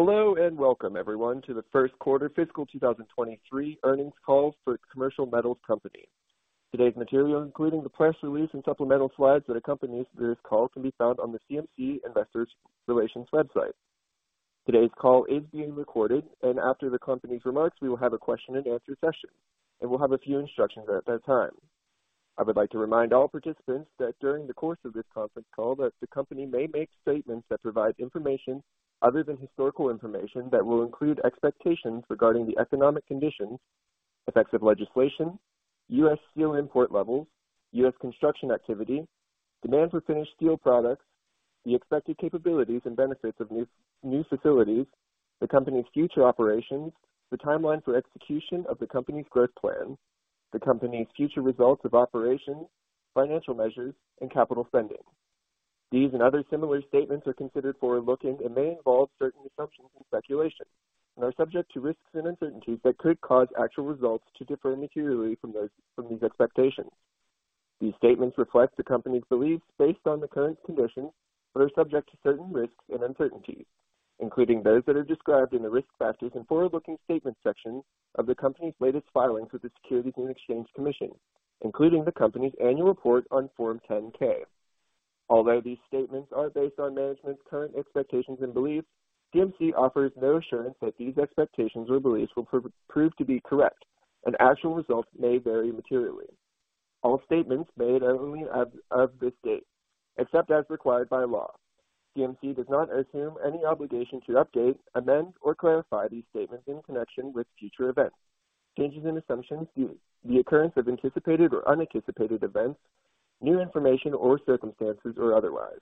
Hello, welcome everyone to the first quarter fiscal 2023 earnings call for Commercial Metals Company. Today's material, including the press release and supplemental slides that accompanies this call, can be found on the CMC Investors Relations website. Today's call is being recorded. After the company's remarks, we will have a question and answer session, and we'll have a few instructions at that time. I would like to remind all participants that during the course of this conference call that the company may make statements that provide information other than historical information that will include expectations regarding the economic conditions, effects of legislation, U.S. steel import levels, U.S. construction activity, demand for finished steel products, the expected capabilities and benefits of new facilities, the company's future operations, the timeline for execution of the company's growth plans, the company's future results of operations, financial measures, and capital spending. These and other similar statements are considered forward-looking and may involve certain assumptions and speculations, and are subject to risks and uncertainties that could cause actual results to differ materially from these expectations. These statements reflect the company's beliefs based on the current conditions, but are subject to certain risks and uncertainties, including those that are described in the Risk Factors and Forward-Looking Statement section of the company's latest filings with the Securities and Exchange Commission, including the company's annual report on Form 10-K. Although these statements are based on management's current expectations and beliefs, CMC offers no assurance that these expectations or beliefs will prove to be correct, and actual results may vary materially. All statements made only as of this date. Except as required by law, CMC does not assume any obligation to update, amend, or clarify these statements in connection with future events, changes in assumptions, the occurrence of anticipated or unanticipated events, new information or circumstances or otherwise.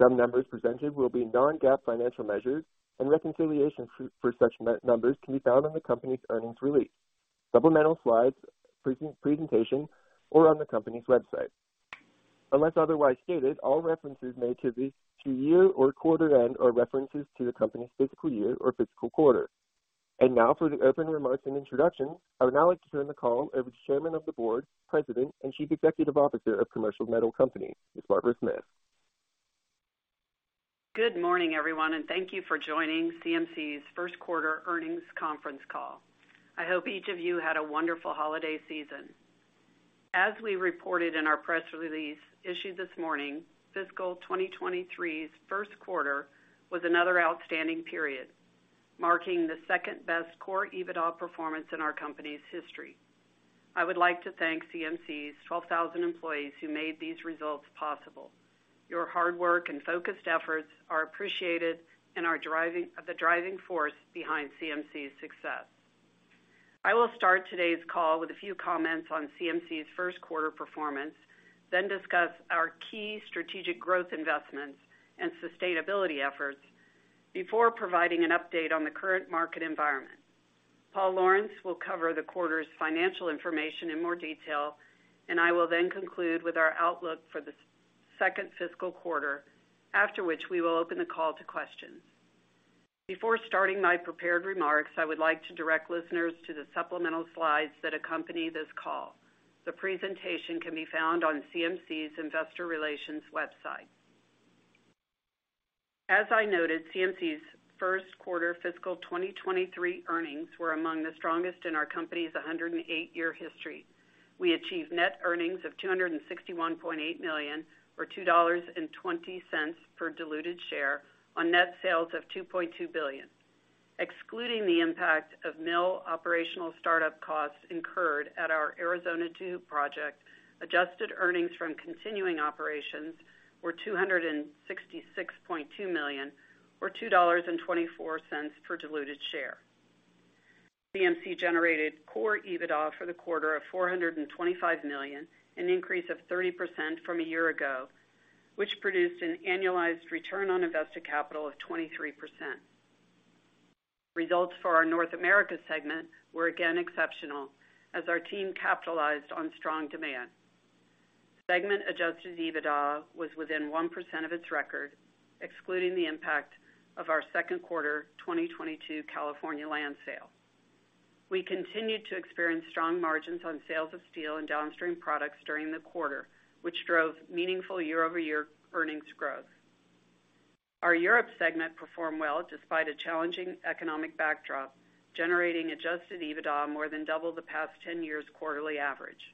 Some numbers presented will be non-GAAP financial measures, and reconciliation for such numbers can be found on the company's earnings release, supplemental slides, presentation, or on the company's website. Unless otherwise stated, all references made to the year or quarter end are references to the company's fiscal year or fiscal quarter. Now for the opening remarks and introduction. I would now like to turn the call over to Chairman of the Board, President, and Chief Executive Officer of Commercial Metals Company, Ms. Barbara Smith. Good morning, everyone. Thank you for joining CMC's first quarter earnings conference call. I hope each of you had a wonderful holiday season. As we reported in our press release issued this morning, fiscal 2023's first quarter was another outstanding period, marking the second-best Core EBITDA performance in our company's history. I would like to thank CMC's 12,000 employees who made these results possible. Your hard work and focused efforts are appreciated and are the driving force behind CMC's success. I will start today's call with a few comments on CMC's first quarter performance, then discuss our key strategic growth investments and sustainability efforts before providing an update on the current market environment. Paul Lawrence will cover the quarter's financial information in more detail, and I will then conclude with our outlook for the second fiscal quarter, after which we will open the call to questions. Before starting my prepared remarks, I would like to direct listeners to the supplemental slides that accompany this call. The presentation can be found on CMC's Investor Relations website. As I noted, CMC's first quarter fiscal 2023 earnings were among the strongest in our company's 108-year history. We achieved net earnings of $261.8 million, or $2.20 per diluted share on net sales of $2.2 billion. Excluding the impact of mill operational startup costs incurred at our Arizona 2 project, adjusted earnings from continuing operations were $266.2 million, or $2.24 per diluted share. CMC generated Core EBITDA for the quarter of $425 million, an increase of 30% from a year ago, which produced an annualized return on invested capital of 23%. Results for our North America segment were again exceptional as our team capitalized on strong demand. Segment adjusted EBITDA was within 1% of its record, excluding the impact of our second quarter 2022 California land sale. We continued to experience strong margins on sales of steel and downstream products during the quarter, which drove meaningful year-over-year earnings growth. Our Europe segment performed well despite a challenging economic backdrop, generating adjusted EBITDA more than double the past 10 years' quarterly average.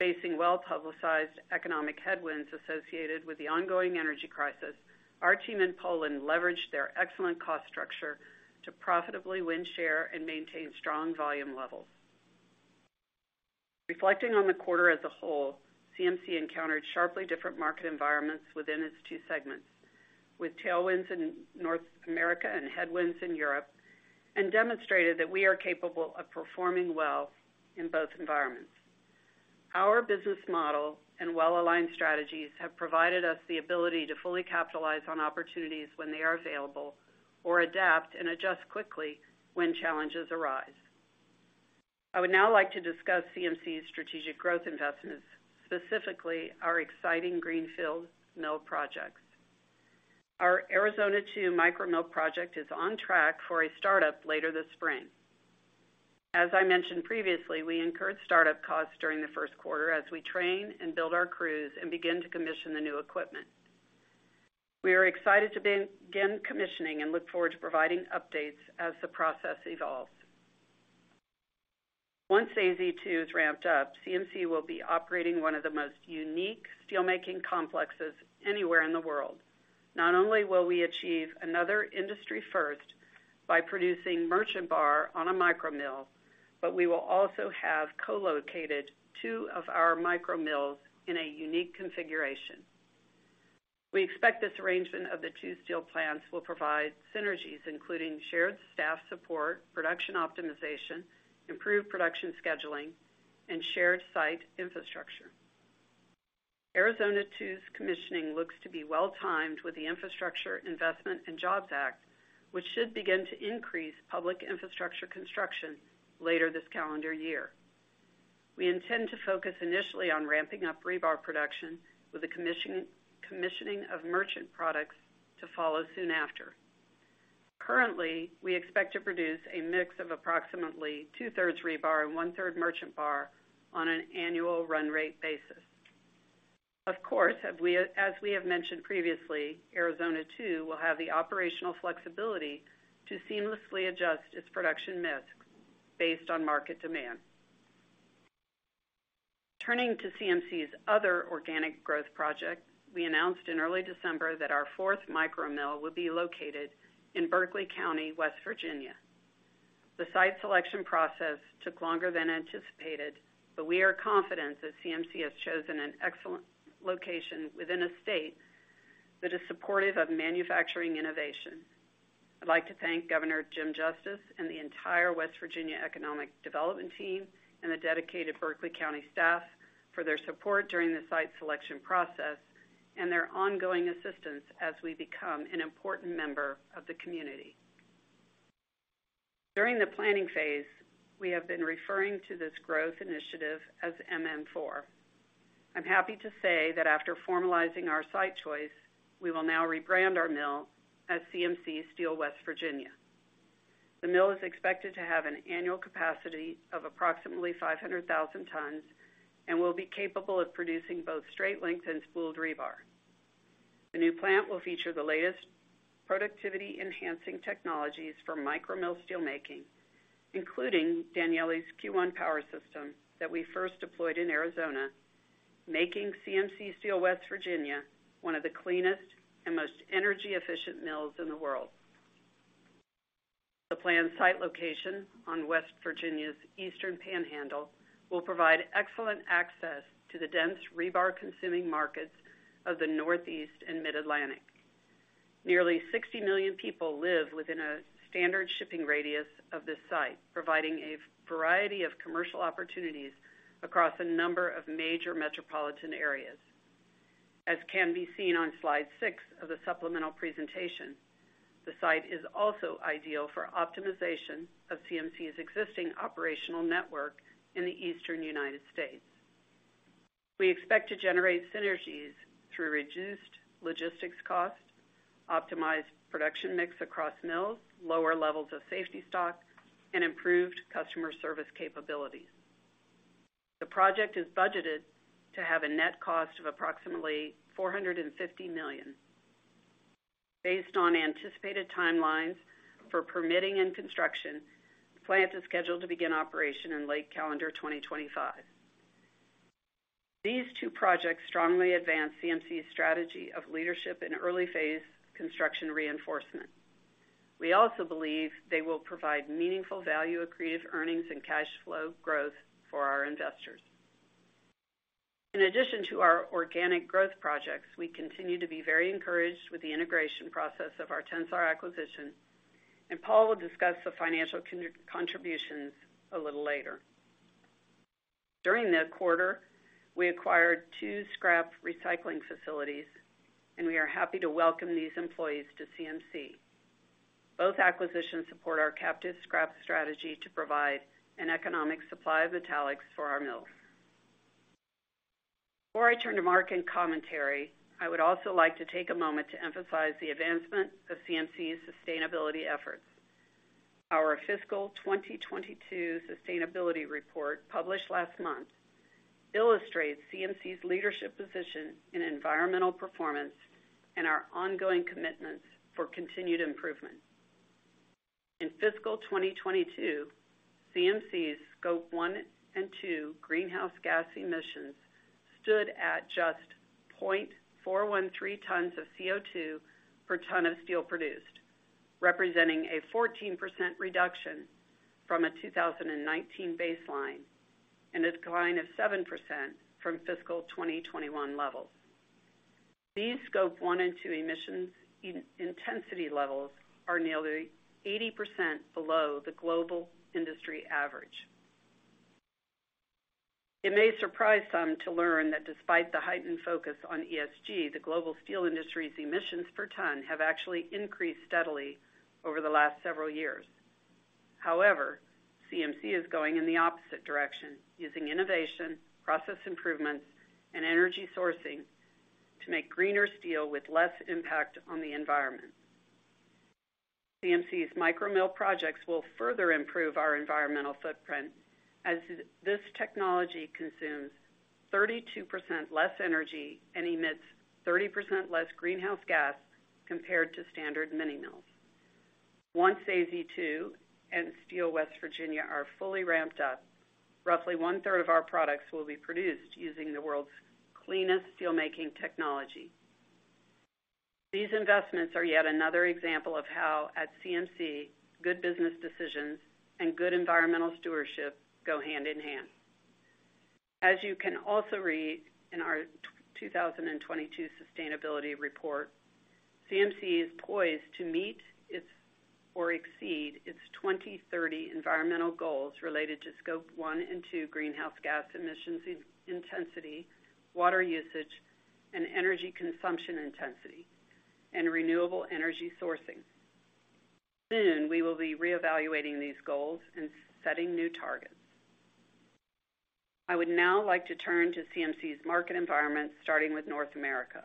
Facing well-publicized economic headwinds associated with the ongoing energy crisis, our team in Poland leveraged their excellent cost structure to profitably win share and maintain strong volume levels. Reflecting on the quarter as a whole, CMC encountered sharply different market environments within its two segments, with tailwinds in North America and headwinds in Europe, and demonstrated that we are capable of performing well in both environments. Our business model and well-aligned strategies have provided us the ability to fully capitalize on opportunities when they are available or adapt and adjust quickly when challenges arise. I would now like to discuss CMC's strategic growth investments, specifically our exciting greenfield mill projects. Our Arizona 2 micro mill project is on track for a startup later this spring. As I mentioned previously, we incurred startup costs during the first quarter as we train and build our crews and begin to commission the new equipment. We are excited to begin commissioning and look forward to providing updates as the process evolves. Once AZ2 is ramped up, CMC will be operating one of the most unique steelmaking complexes anywhere in the world. Not only will we achieve another industry first by producing merchant bar on a micro mill, but we will also have co-located two of our micro mills in a unique configuration. We expect this arrangement of the two steel plants will provide synergies including shared staff support, production optimization, improved production scheduling, and shared site infrastructure. Arizona 2's commissioning looks to be well-timed with the Infrastructure Investment and Jobs Act, which should begin to increase public infrastructure construction later this calendar year. We intend to focus initially on ramping up rebar production with the commissioning of merchant products to follow soon after. Currently, we expect to produce a mix of approximately 2/3 rebar and 1/3 merchant bar on an annual run rate basis. Of course, as we have mentioned previously, Arizona 2 will have the operational flexibility to seamlessly adjust its production mix based on market demand. Turning to CMC's other organic growth project, we announced in early December that our fourth micro mill would be located in Berkeley County, West Virginia. The site selection process took longer than anticipated. We are confident that CMC has chosen an excellent location within a state that is supportive of manufacturing innovation. I'd like to thank Governor Jim Justice and the entire West Virginia economic development team and the dedicated Berkeley County staff for their support during the site selection process and their ongoing assistance as we become an important member of the community. During the planning phase, we have been referring to this growth initiative as MM4. I'm happy to say that after formalizing our site choice, we will now rebrand our mill as CMC Steel West Virginia. The mill is expected to have an annual capacity of approximately 500,000 tons and will be capable of producing both straight-length and spooled rebar. The new plant will feature the latest productivity-enhancing technologies for micro mill steel making, including Danieli's Q-One Power System that we first deployed in Arizona, making CMC Steel West Virginia one of the cleanest and most energy-efficient mills in the world. The planned site location on West Virginia's Eastern Panhandle will provide excellent access to the dense rebar-consuming markets of the Northeast and Mid-Atlantic. Nearly 60 million people live within a standard shipping radius of this site, providing a variety of commercial opportunities across a number of major metropolitan areas. As can be seen on slide six of the supplemental presentation, the site is also ideal for optimization of CMC's existing operational network in the eastern United States. We expect to generate synergies through reduced logistics costs, optimized production mix across mills, lower levels of safety stock, and improved customer service capabilities. The project is budgeted to have a net cost of approximately $450 million. Based on anticipated timelines for permitting and construction, the plant is scheduled to begin operation in late calendar 2025. These two projects strongly advance CMC's strategy of leadership in early-phase construction reinforcement. We also believe they will provide meaningful value accretive earnings and cash flow growth for our investors. In addition to our organic growth projects, we continue to be very encouraged with the integration process of our Tensar acquisition, and Paul will discuss the financial contributions a little later. During the quarter, we acquired two scrap recycling facilities, and we are happy to welcome these employees to CMC. Both acquisitions support our captive scrap strategy to provide an economic supply of metallics for our mills. Before I turn to Mark in commentary, I would also like to take a moment to emphasize the advancement of CMC's sustainability efforts. Our fiscal 2022 sustainability report, published last month, illustrates CMC's leadership position in environmental performance and our ongoing commitments for continued improvement. In fiscal 2022, CMC's Scope one and two greenhouse gas emissions stood at just 0.413 tons of CO2 per ton of steel produced, representing a 14% reduction from a 2019 baseline and a decline of 7% from fiscal 2021 levels. These Scope one and two emissions in-intensity levels are nearly 80% below the global industry average. It may surprise some to learn that despite the heightened focus on ESG, the global steel industry's emissions per ton have actually increased steadily over the last several years. CMC is going in the opposite direction using innovation, process improvements, and energy sourcing to make greener steel with less impact on the environment. CMC's micro mill projects will further improve our environmental footprint as this technology consumes 32% less energy and emits 30% less greenhouse gas compared to standard mini mills. Once AZ2 and Steel West Virginia are fully ramped up, roughly 1/3 of our products will be produced using the world's cleanest steelmaking technology. These investments are yet another example of how, at CMC, good business decisions and good environmental stewardship go hand in hand. As you can also read in our 2022 sustainability report, CMC is poised to meet its, or exceed its 2030 environmental goals related to Scope one and two greenhouse gas emissions intensity, water usage, and energy consumption intensity, and renewable energy sourcing. Soon, we will be reevaluating these goals and setting new targets. I would now like to turn to CMC's market environment, starting with North America.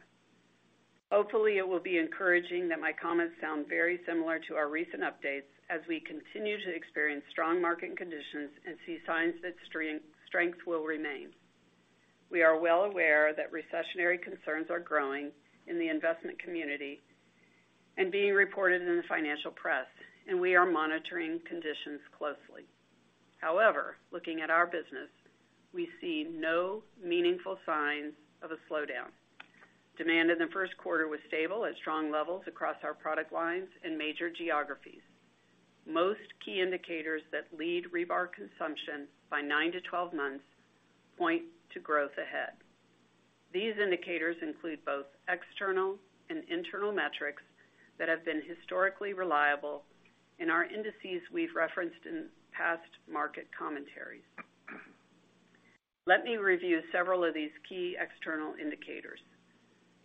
Hopefully, it will be encouraging that my comments sound very similar to our recent updates as we continue to experience strong market conditions and see signs that strength will remain. We are well aware that recessionary concerns are growing in the investment community and being reported in the financial press, and we are monitoring conditions closely. However, looking at our business, we see no meaningful signs of a slowdown. Demand in the first quarter was stable at strong levels across our product lines and major geographies. Most key indicators that lead rebar consumption by nine to 12 months point to growth ahead. These indicators include both external and internal metrics that have been historically reliable in our indices we've referenced in past market commentaries. Let me review several of these key external indicators.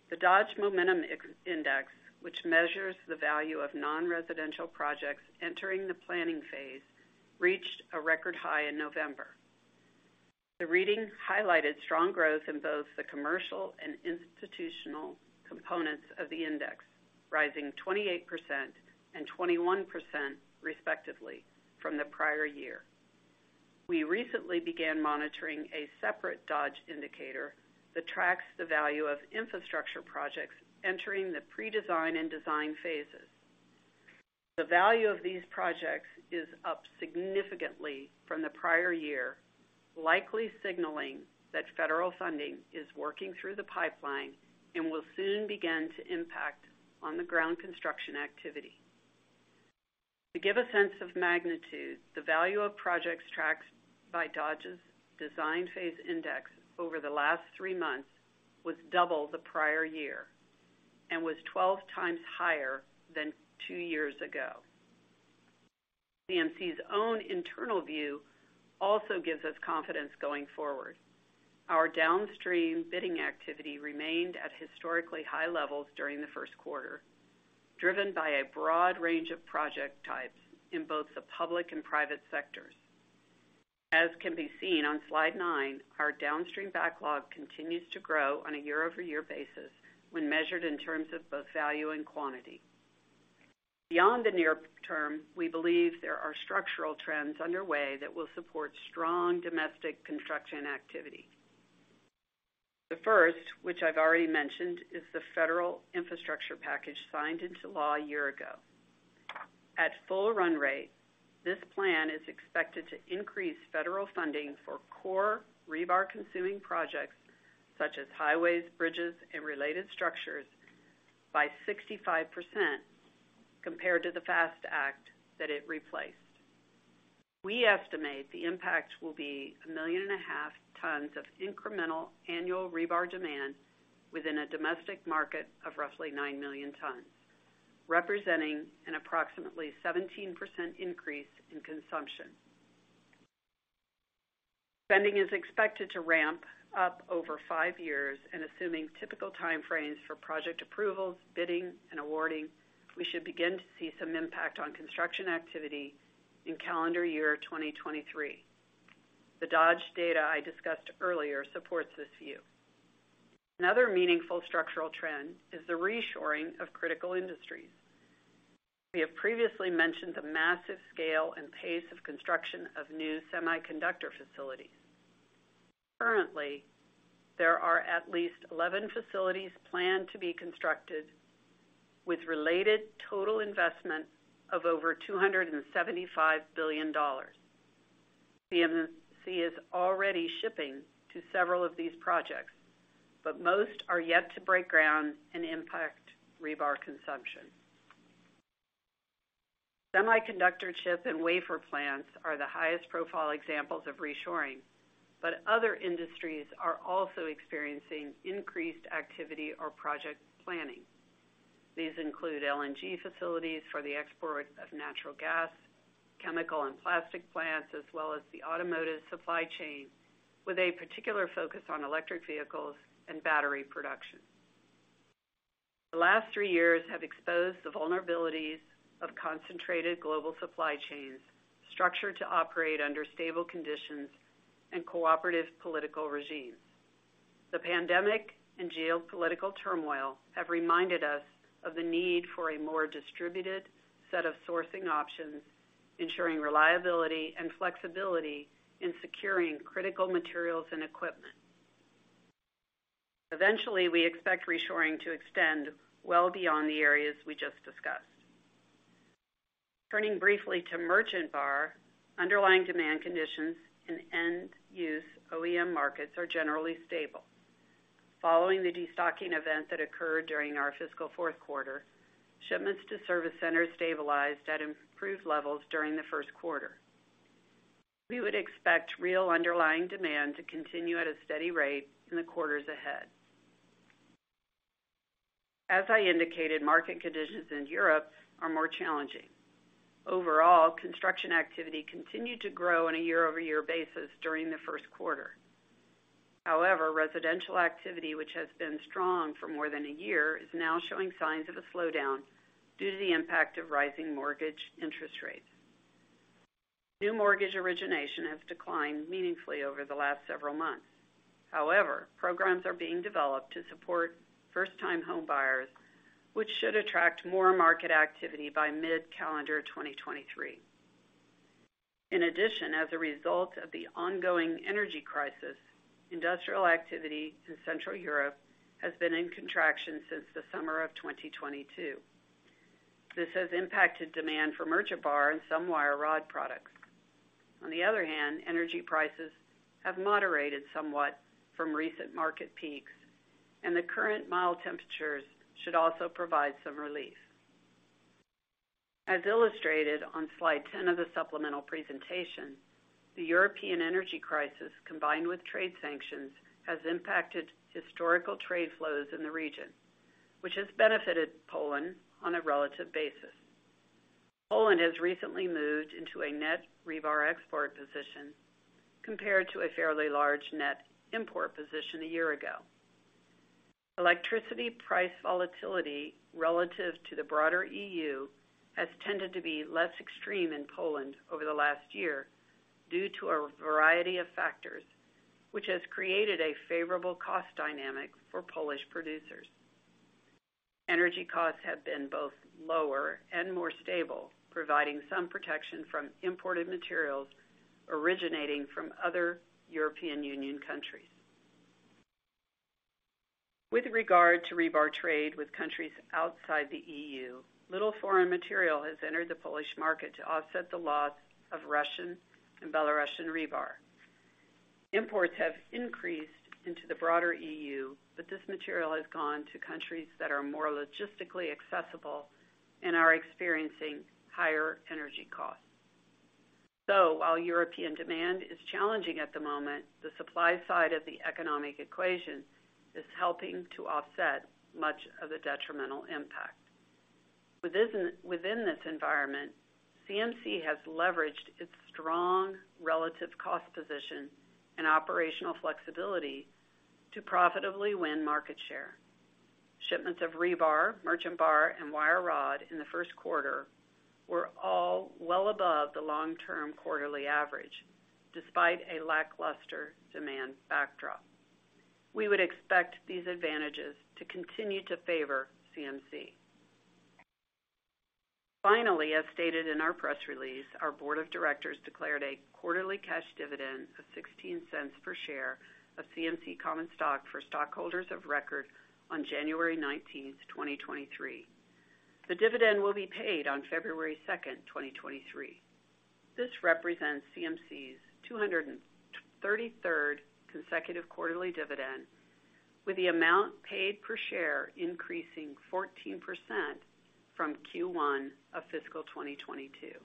The Dodge Momentum Index, which measures the value of non-residential projects entering the planning phase, reached a record high in November. The reading highlighted strong growth in both the commercial and institutional components of the index, rising 28% and 21% respectively from the prior year. We recently began monitoring a separate Dodge indicator that tracks the value of infrastructure projects entering the pre-design and design phases. The value of these projects is up significantly from the prior year, likely signaling that federal funding is working through the pipeline and will soon begin to impact on-the-ground construction activity. To give a sense of magnitude, the value of projects tracked by Dodge's Design Phase Index over the last three months was double the prior year and was 12x higher than two years ago. CMC's own internal view also gives us confidence going forward. Our downstream bidding activity remained at historically high levels during the first quarter, driven by a broad range of project types in both the public and private sectors. As can be seen on Slide 9, our downstream backlog continues to grow on a year-over-year basis when measured in terms of both value and quantity. Beyond the near term, we believe there are structural trends underway that will support strong domestic construction activity. The first, which I've already mentioned, is the federal infrastructure package signed into law a year ago. At full run rate, this plan is expected to increase federal funding for core rebar-consuming projects, such as highways, bridges, and related structures by 65% compared to the FAST Act that it replaced. We estimate the impact will be 1.5 million tons of incremental annual rebar demand within a domestic market of roughly 9 million tons, representing an approximately 17% increase in consumption. Spending is expected to ramp up over five years, and assuming typical time frames for project approvals, bidding, and awarding, we should begin to see some impact on construction activity in calendar year 2023. The Dodge data I discussed earlier supports this view. Another meaningful structural trend is the reshoring of critical industries. We have previously mentioned the massive scale and pace of construction of new semiconductor facilities. Currently, there are at least 11 facilities planned to be constructed with related total investment of over $275 billion. CMC is already shipping to several of these projects, but most are yet to break ground and impact rebar consumption. Semiconductor chip and wafer plants are the highest-profile examples of reshoring, but other industries are also experiencing increased activity or project planning. These include LNG facilities for the export of natural gas, chemical and plastic plants, as well as the automotive supply chain, with a particular focus on electric vehicles and battery production. The last three years have exposed the vulnerabilities of concentrated global supply chains structured to operate under stable conditions and cooperative political regimes. The pandemic and geopolitical turmoil have reminded us of the need for a more distributed set of sourcing options, ensuring reliability and flexibility in securing critical materials and equipment. Eventually, we expect reshoring to extend well beyond the areas we just discussed. Turning briefly to merchant bar, underlying demand conditions in end-use OEM markets are generally stable. Following the destocking event that occurred during our fiscal fourth quarter, shipments to service centers stabilized at improved levels during the first quarter. We would expect real underlying demand to continue at a steady rate in the quarters ahead. As I indicated, market conditions in Europe are more challenging. Overall, construction activity continued to grow on a year-over-year basis during the first quarter. However, residential activity, which has been strong for more than a year, is now showing signs of a slowdown due to the impact of rising mortgage interest rates. New mortgage origination has declined meaningfully over the last several months. However, programs are being developed to support first-time homebuyers, which should attract more market activity by mid-calendar 2023. In addition, as a result of the ongoing energy crisis, industrial activity in Central Europe has been in contraction since the summer of 2022. This has impacted demand for merchant bar and some wire rod products. On the other hand, energy prices have moderated somewhat from recent market peaks, and the current mild temperatures should also provide some relief. As illustrated on slide 10 of the supplemental presentation, the European energy crisis, combined with trade sanctions, has impacted historical trade flows in the region, which has benefited Poland on a relative basis. Poland has recently moved into a net rebar export position compared to a fairly large net import position a year ago. Electricity price volatility relative to the broader EU has tended to be less extreme in Poland over the last year due to a variety of factors, which has created a favorable cost dynamic for Polish producers. Energy costs have been both lower and more stable, providing some protection from imported materials originating from other European Union countries. With regard to rebar trade with countries outside the EU, little foreign material has entered the Polish market to offset the loss of Russian and Belarusian rebar. Imports have increased into the broader EU. This material has gone to countries that are more logistically accessible and are experiencing higher energy costs. While European demand is challenging at the moment, the supply side of the economic equation is helping to offset much of the detrimental impact. Within this environment, CMC has leveraged its strong relative cost position and operational flexibility to profitably win market share. Shipments of rebar, merchant bar, and wire rod in the first quarter were all well above the long-term quarterly average despite a lackluster demand backdrop. We would expect these advantages to continue to favor CMC. Finally, as stated in our press release, our board of directors declared a quarterly cash dividend of $0.16 per share of CMC common stock for stockholders of record on January 19th, 2023. The dividend will be paid on February 2nd, 2023. This represents CMC's 233rd consecutive quarterly dividend, with the amount paid per share increasing 14% from Q1 of fiscal 2022.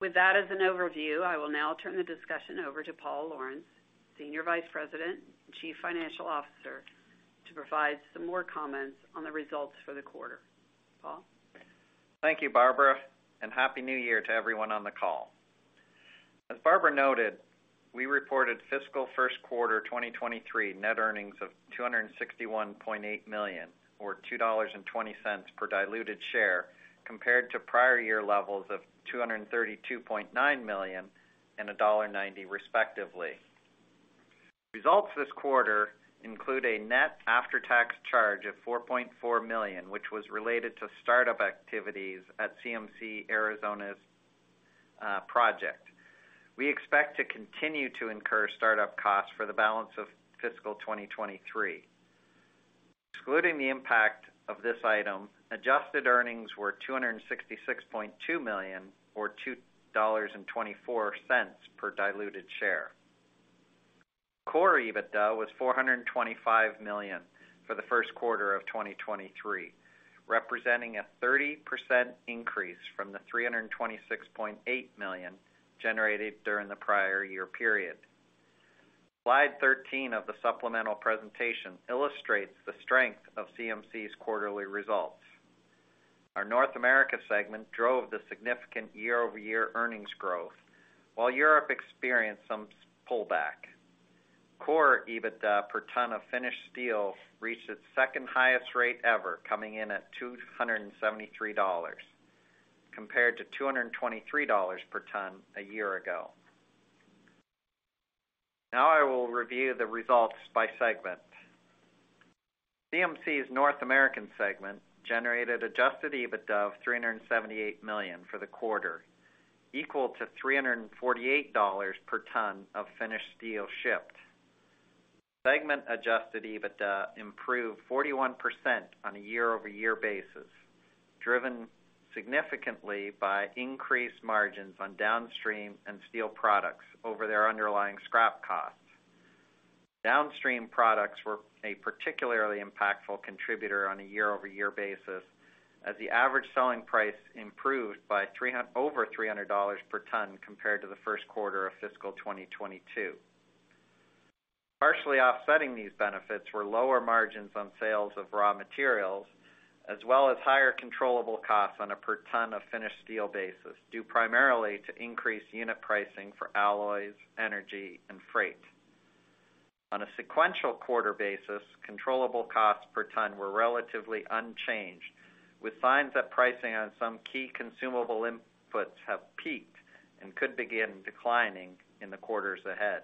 With that as an overview, I will now turn the discussion over to Paul Lawrence, Senior Vice President and Chief Financial Officer, to provide some more comments on the results for the quarter. Paul? Thank you, Barbara. Happy New Year to everyone on the call. As Barbara noted, we reported fiscal first quarter 2023 net earnings of $261.8 million, or $2.20 per diluted share, compared to prior year levels of $232.9 million and $1.90, respectively. Results this quarter include a net after-tax charge of $4.4 million, which was related to startup activities at CMC Steel Arizona's project. We expect to continue to incur startup costs for the balance of fiscal 2023. Excluding the impact of this item, adjusted earnings were $266.2 million or $2.24 per diluted share. Core EBITDA was $425 million for the first quarter of 2023, representing a 30% increase from the $326.8 million generated during the prior year period. Slide 13 of the supplemental presentation illustrates the strength of CMC's quarterly results. Our North America segment drove the significant year-over-year earnings growth, while Europe experienced some pullback. Core EBITDA per ton of finished steel reached its second-highest rate ever, coming in at $273, compared to $223 per ton a year ago. I will review the results by segment. CMC's North American segment generated adjusted EBITDA of $378 million for the quarter, equal to $348 per ton of finished steel shipped. Segment adjusted EBITDA improved 41% on a year-over-year basis, driven significantly by increased margins on downstream and steel products over their underlying scrap costs. Downstream products were a particularly impactful contributor on a year-over-year basis as the average selling price improved by over $300 per ton compared to the first quarter of fiscal 2022. Partially offsetting these benefits were lower margins on sales of raw materials, as well as higher controllable costs on a per ton of finished steel basis, due primarily to increased unit pricing for alloys, energy, and freight. On a sequential quarter basis, controllable costs per ton were relatively unchanged, with signs that pricing on some key consumable inputs have peaked and could begin declining in the quarters ahead.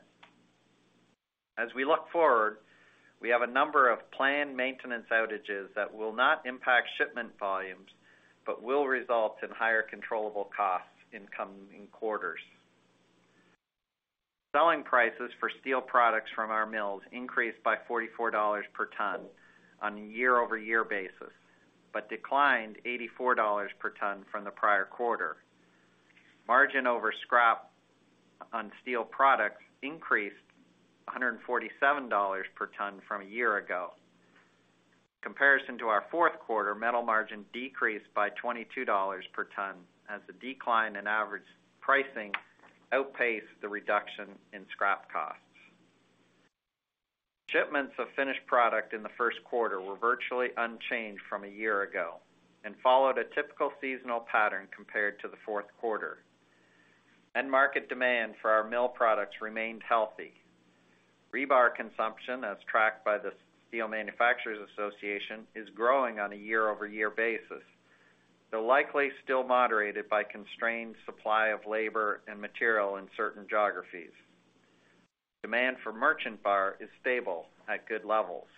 We look forward, we have a number of planned maintenance outages that will not impact shipment volumes, but will result in higher controllable costs in coming quarters. Selling prices for steel products from our mills increased by $44 per ton on a year-over-year basis, but declined $84 per ton from the prior quarter. Margin over scrap on steel products increased $147 per ton from a year ago. Comparison to our fourth quarter, metal margin decreased by $22 per ton as the decline in average pricing outpaced the reduction in scrap costs. Shipments of finished product in the first quarter were virtually unchanged from a year ago and followed a typical seasonal pattern compared to the fourth quarter. End market demand for our mill products remained healthy. Rebar consumption, as tracked by the Steel Manufacturers Association, is growing on a year-over-year basis, though likely still moderated by constrained supply of labor and material in certain geographies. Demand for merchant bar is stable at good levels.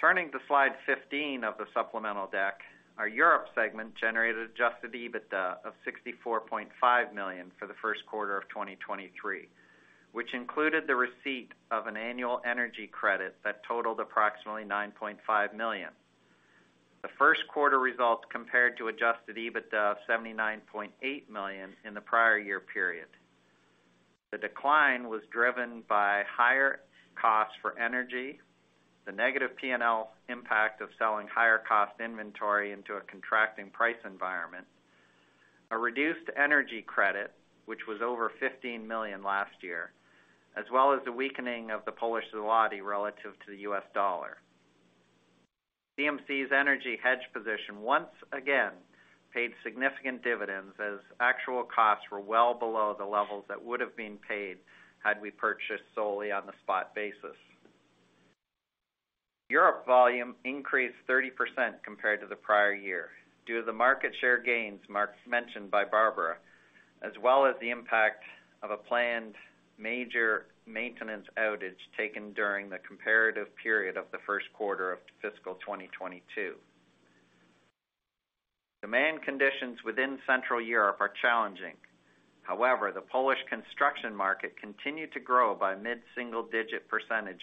Turning to Slide 15 of the supplemental deck, our Europe segment generated adjusted EBITDA of $64.5 million for the first quarter of 2023, which included the receipt of an annual energy credit that totaled approximately $9.5 million. The first quarter results compared to adjusted EBITDA of $79.8 million in the prior year period. The decline was driven by higher costs for energy, the negative P&L impact of selling higher-cost inventory into a contracting price environment, a reduced energy credit, which was over $15 million last year, as well as the weakening of the Polish zloty relative to the US dollar. CMC's energy hedge position once again paid significant dividends as actual costs were well below the levels that would have been paid had we purchased solely on the spot basis. Europe volume increased 30% compared to the prior year due to the market share gains mentioned by Barbara, as well as the impact of a planned major maintenance outage taken during the comparative period of the first quarter of fiscal 2022. Demand conditions within Central Europe are challenging. The Polish construction market continued to grow by mid-single-digit percentage,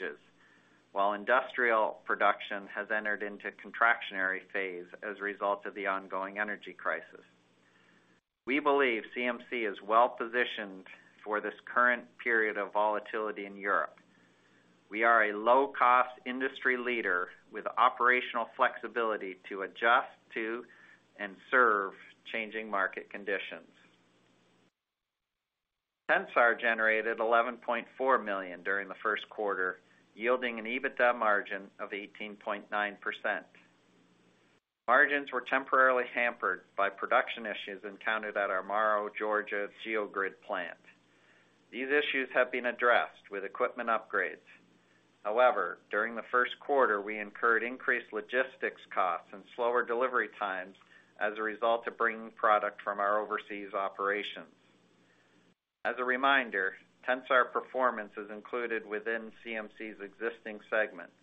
while industrial production has entered into contractionary phase as a result of the ongoing energy crisis. We believe CMC is well-positioned for this current period of volatility in Europe. We are a low-cost industry leader with operational flexibility to adjust to and serve changing market conditions. Tensar generated $11.4 million during the first quarter, yielding an EBITDA margin of 18.9%. Margins were temporarily hampered by production issues encountered at our Morrow, Georgia Geogrid plant. These issues have been addressed with equipment upgrades. During the first quarter, we incurred increased logistics costs and slower delivery times as a result of bringing product from our overseas operations. As a reminder, Tensar performance is included within CMC's existing segments.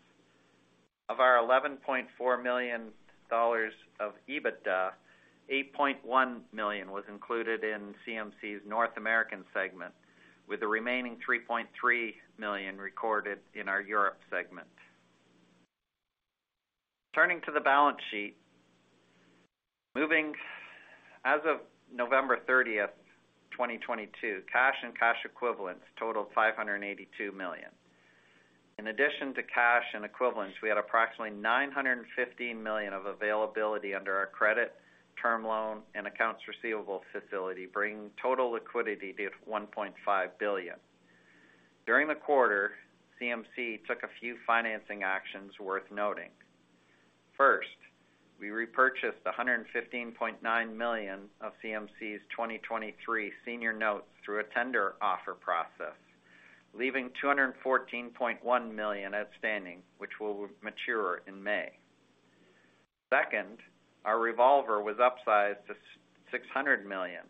Of our $11.4 million of EBITDA, $8.1 million was included in CMC's North American segment, with the remaining $3.3 million recorded in our Europe segment. Turning to the balance sheet, as of November 30th, 2022, cash and cash equivalents totaled $582 million. In addition to cash and equivalents, we had approximately $915 million of availability under our credit, term loan, and accounts receivable facility, bringing total liquidity to $1.5 billion. During the quarter, CMC took a few financing actions worth noting. First, we repurchased $115.9 million of CMC's 2023 senior notes through a tender offer process, leaving $214.1 million outstanding, which will mature in May. Second, our revolver was upsized to $600 million,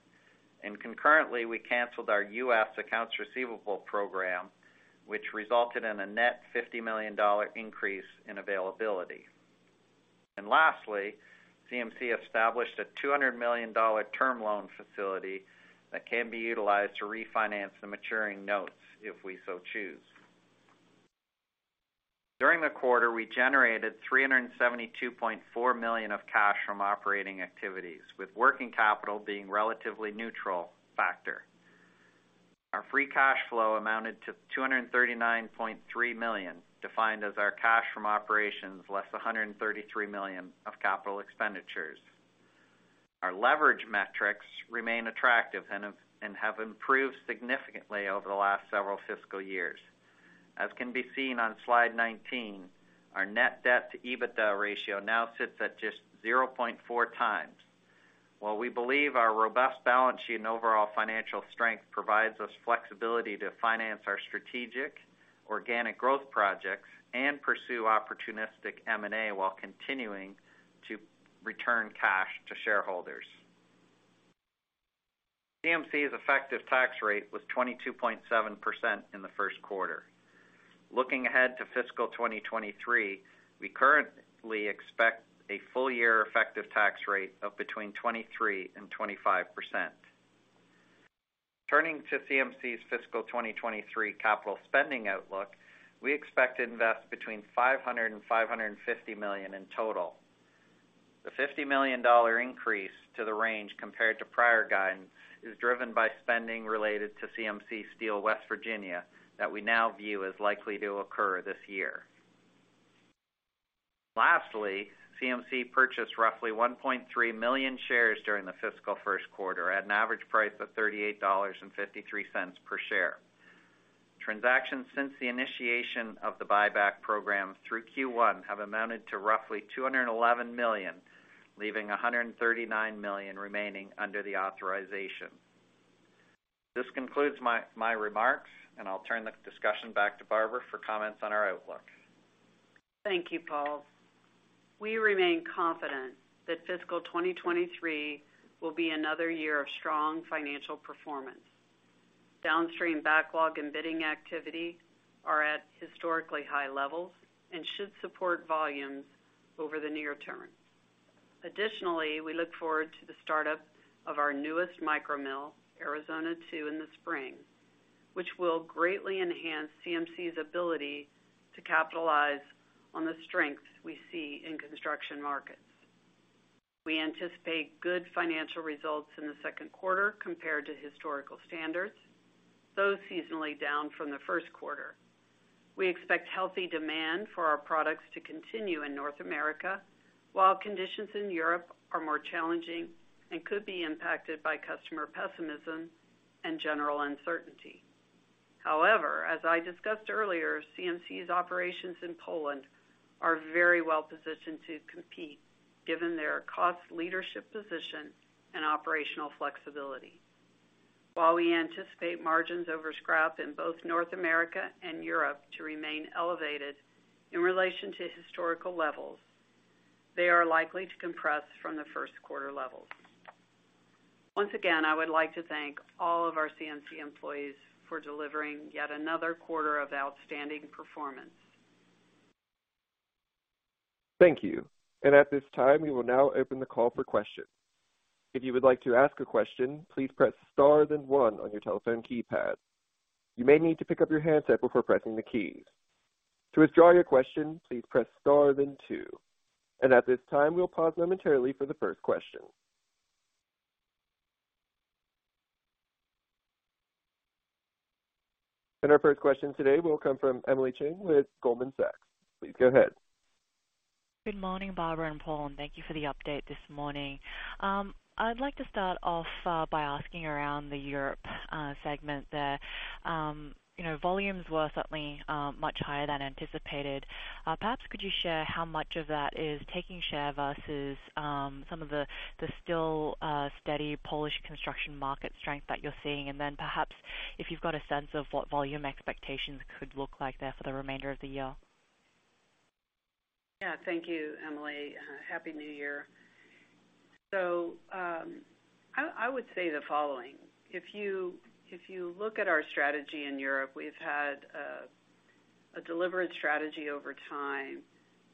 and concurrently, we canceled our U.S. accounts receivable program, which resulted in a net $50 million increase in availability. Lastly, CMC established a $200 million term loan facility that can be utilized to refinance the maturing notes if we so choose. During the quarter, we generated $372.4 million of cash from operating activities, with working capital being relatively neutral factor. Our free cash flow amounted to $239.3 million, defined as our cash from operations less $133 million of capital expenditures. Our leverage metrics remain attractive and have improved significantly over the last several fiscal years. As can be seen on slide 19, our net debt to EBITDA ratio now sits at just 0.4x. We believe our robust balance sheet and overall financial strength provides us flexibility to finance our strategic organic growth projects and pursue opportunistic M&A while continuing to return cash to shareholders. CMC's effective tax rate was 22.7% in the first quarter. Looking ahead to fiscal 2023, we currently expect a full-year effective tax rate of between 23% and 25%. Turning to CMC's fiscal 2023 capital spending outlook, we expect to invest between $500 million and $550 million in total. The $50 million increase to the range compared to prior guidance is driven by spending related to CMC Steel West Virginia that we now view as likely to occur this year. Lastly, CMC purchased roughly 1.3 million shares during the fiscal first quarter at an average price of $38.53 per share. Transactions since the initiation of the buyback program through Q1 have amounted to roughly $211 million, leaving $139 million remaining under the authorization. This concludes my remarks, and I'll turn the discussion back to Barbara for comments on our outlook. Thank you, Paul. We remain confident that fiscal 2023 will be another year of strong financial performance. Downstream backlog and bidding activity are at historically high levels and should support volumes over the near term. We look forward to the startup of our newest micro mill, Arizona 2, in the spring, which will greatly enhance CMC's ability to capitalize on the strengths we see in construction markets. We anticipate good financial results in the second quarter compared to historical standards, though seasonally down from the first quarter. We expect healthy demand for our products to continue in North America, while conditions in Europe are more challenging and could be impacted by customer pessimism and general uncertainty. As I discussed earlier, CMC's operations in Poland are very well-positioned to compete given their cost leadership position and operational flexibility. While we anticipate margins over scrap in both North America and Europe to remain elevated in relation to historical levels, they are likely to compress from the first quarter levels. Once again, I would like to thank all of our CMC employees for delivering yet another quarter of outstanding performance. Thank you. At this time, we will now open the call for questions. If you would like to ask a question, please press star then one on your telephone keypad. You may need to pick up your handset before pressing the keys. To withdraw your question, please press star then two. At this time, we'll pause momentarily for the first question. Our first question today will come from Emily Chang with Goldman Sachs. Please go ahead. Good morning, Barbara and Paul, and thank you for the update this morning. I'd like to start off, by asking around the Europe, segment there. You know, volumes were certainly, much higher than anticipated. Perhaps could you share how much of that is taking share versus, some of the still, steady Polish construction market strength that you're seeing? Perhaps if you've got a sense of what volume expectations could look like there for the remainder of the year. Thank you, Emily. Happy New Year. I would say the following. If you look at our strategy in Europe, we've had a deliberate strategy over time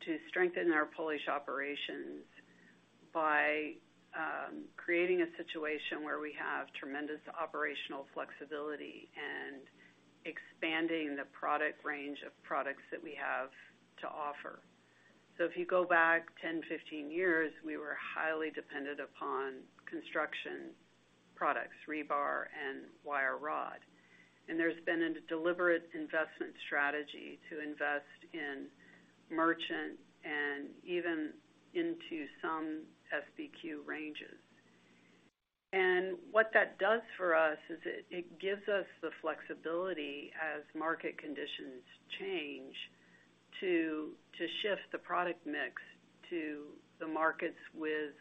to strengthen our Polish operations by creating a situation where we have tremendous operational flexibility and expanding the product range of products that we have to offer. If you go back 10, 15 years, we were highly dependent upon construction products, rebar and wire rod. There's been a deliberate investment strategy to invest in merchant and even into some SBQ ranges. What that does for us is it gives us the flexibility as market conditions change to shift the product mix to the markets with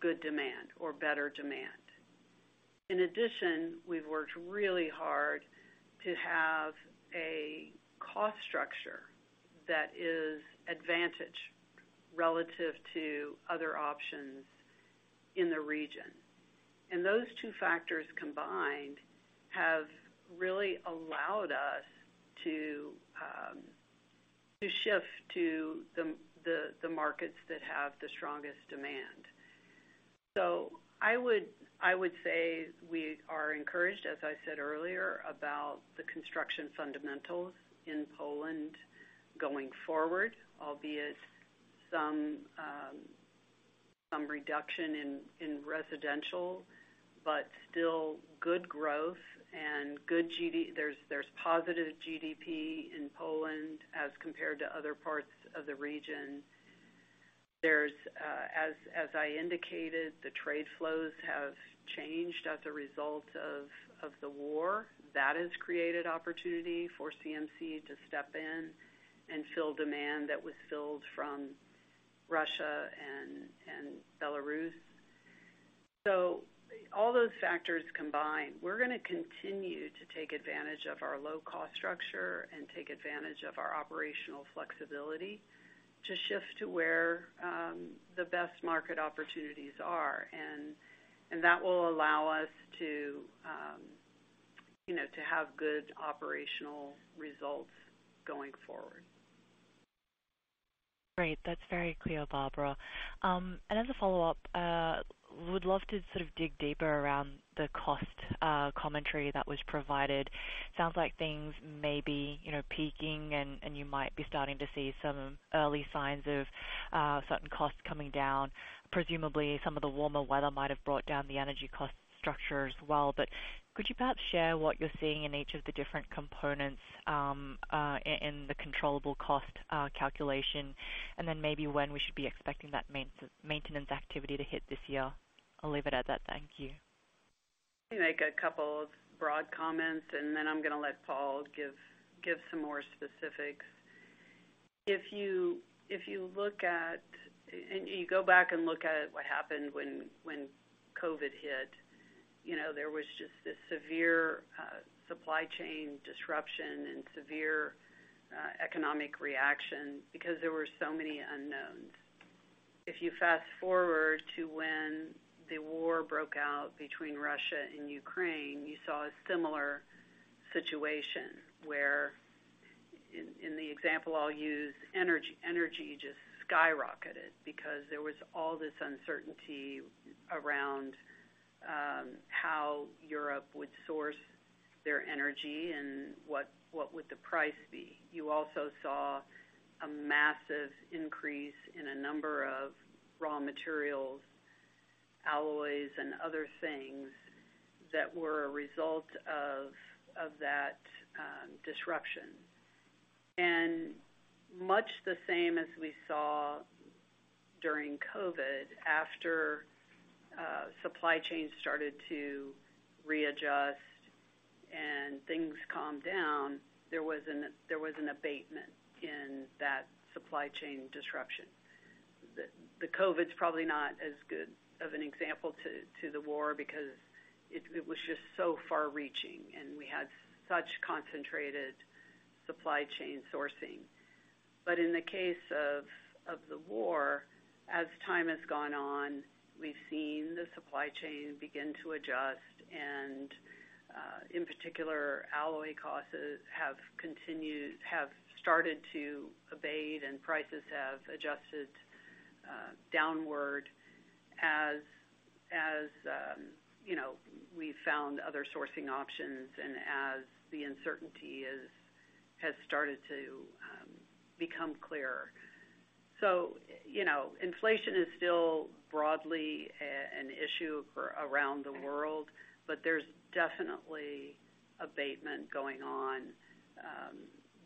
good demand or better demand. In addition, we've worked really hard to have a cost structure that is advantage relative to other options in the region. Those two factors combined have really allowed us to shift to the markets that have the strongest demand. I would say we are encouraged, as I said earlier, about the construction fundamentals in Poland going forward, albeit some reduction in residential, but still good growth and there's positive GDP in Poland as compared to other parts of the region. There's as I indicated, the trade flows have changed as a result of the war. That has created opportunity for CMC to step in and fill demand that was filled from Russia and Belarus. All those factors combined, we're gonna continue to take advantage of our low-cost structure and take advantage of our operational flexibility to shift to where the best market opportunities are. that will allow us to, you know, to have good operational results going forward. Great. That's very clear, Barbara. As a follow-up, would love to sort of dig deeper around the cost commentary that was provided. Sounds like things may be, you know, peaking and you might be starting to see some early signs of certain costs coming down. Presumably, some of the warmer weather might have brought down the energy cost structure as well. Could you perhaps share what you're seeing in each of the different components in the controllable cost calculation? Then maybe when we should be expecting that maintenance activity to hit this year? I'll leave it at that. Thank you. Make a couple of broad comments, then I'm gonna let Paul give some more specifics. If you look at and you go back and look at what happened when COVID hit, you know, there was just this severe supply chain disruption and severe economic reaction because there were so many unknowns. If you fast-forward to when the war broke out between Russia and Ukraine, you saw a similar situation where in the example I'll use, energy just skyrocketed because there was all this uncertainty around how Europe would source their energy and what would the price be. You also saw a massive increase in a number of raw materials, alloys, and other things that were a result of that disruption. Much the same as we saw during COVID, after supply chains started to readjust and things calmed down, there was an abatement in that supply chain disruption. The COVID's probably not as good of an example to the war because it was just so far-reaching, and we had such concentrated supply chain sourcing. In the case of the war, as time has gone on, we've seen the supply chain begin to adjust, in particular, alloy costs have started to abate, and prices have adjusted downward as, you know, we've found other sourcing options and as the uncertainty has started to become clearer. You know, inflation is still broadly an issue for around the world, but there's definitely abatement going on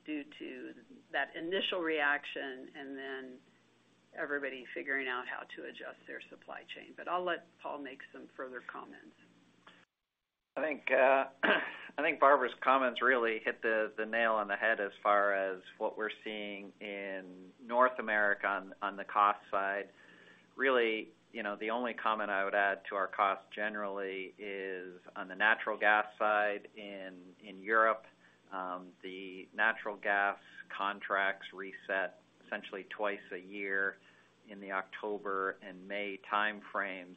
due to that initial reaction and then everybody figuring out how to adjust their supply chain. I'll let Paul make some further comments. I think, I think Barbara's comments really hit the nail on the head as far as what we're seeing in North America on the cost side. Really, you know, the only comment I would add to our cost generally is on the natural gas side in Europe, the natural gas contracts reset essentially twice a year in the October and May time frames.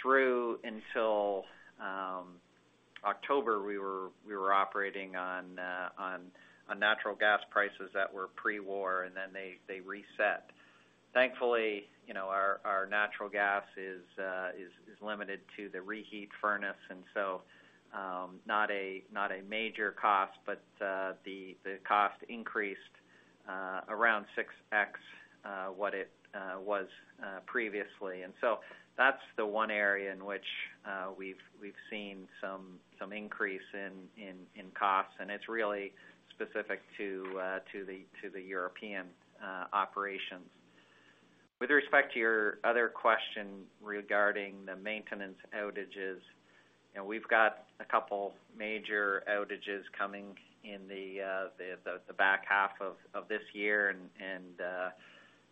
Through until October, we were operating on natural gas prices that were pre-war, and then they reset. Thankfully, you know, our natural gas is limited to the reheat furnace, and so not a major cost, but the cost increased around 6x what it was previously. That's the one area in which, we've seen some increase in costs, and it's really specific to the European operations. With respect to your other question regarding the maintenance outages, you know, we've got a couple major outages coming in the back half of this year.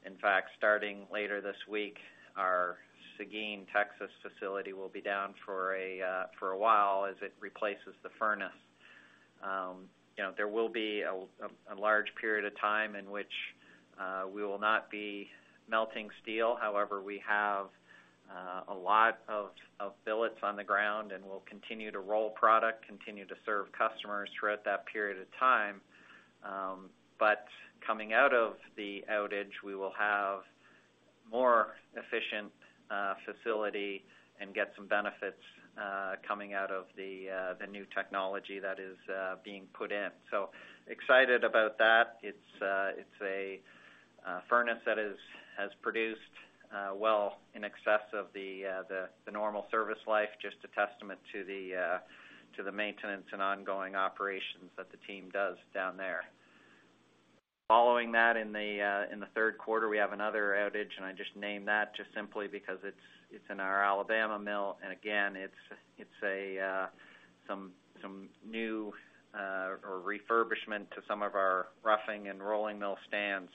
In fact, starting later this week, our Seguin, Texas facility will be down for a while as it replaces the furnace. You know, there will be a large period of time in which we will not be melting steel. However, we have a lot of billets on the ground, and we'll continue to roll product, continue to serve customers throughout that period of time. Coming out of the outage, we will have more efficient facility and get some benefits coming out of the new technology that is being put in. Excited about that. It's a furnace that is, has produced well in excess of the normal service life, just a testament to the maintenance and ongoing operations that the team does down there. Following that, in the third quarter, we have another outage. I just named that just simply because it's in our Alabama mill. Again, it's a new or refurbishment to some of our roughing and rolling mill stands,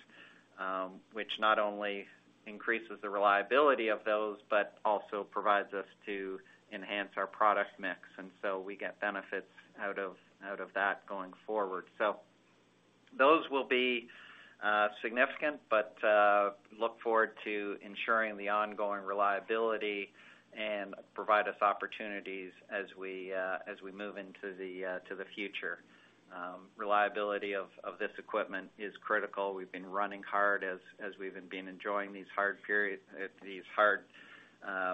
which not only increases the reliability of those, but also provides us to enhance our product mix. We get benefits out of that going forward. Those will be significant, but look forward to ensuring the ongoing reliability and provide us opportunities as we move into the future. Reliability of this equipment is critical. We've been running hard as we've been enjoying these hard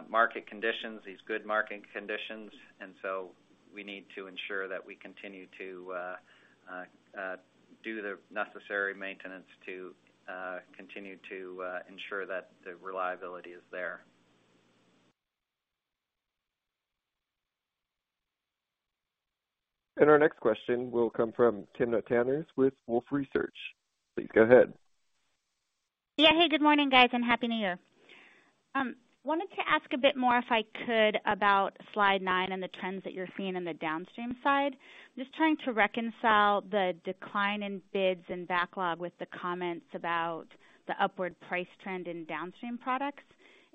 market conditions, these good market conditions, and so we need to ensure that we continue to do the necessary maintenance to continue to ensure that the reliability is there. Our next question will come from Timna Tanners with Wolfe Research. Please go ahead. Yeah. Hey, good morning, guys, and happy New Year. Wanted to ask a bit more, if I could, about slide 9 and the trends that you're seeing in the downstream side. Just trying to reconcile the decline in bids and backlog with the comments about the upward price trend in downstream products.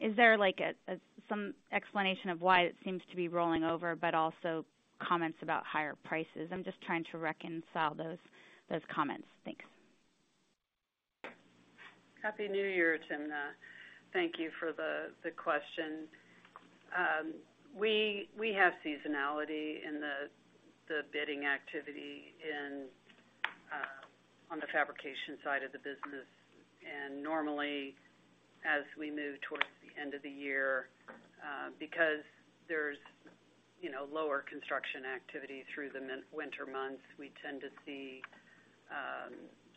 Is there, like, some explanation of why it seems to be rolling over, but also comments about higher prices? I'm just trying to reconcile those comments. Thanks. Happy New Year, Timna. Thank you for the question. We have seasonality in the bidding activity on the fabrication side of the business. Normally, as we move towards the end of the year, because there's, you know, lower construction activity through the winter months, we tend to see